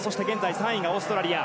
３位がオーストラリア。